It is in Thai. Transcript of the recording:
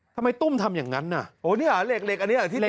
ทำไมตุ้มทำอย่างนั้นอ่ะโอ้เนี้ยเหล็กอันนี้อ่ะที่ตีเขา